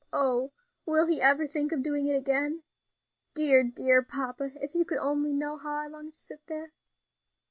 Oh! will be ever think of doing it again! Dear, dear papa, if you could only know how I long to sit there!"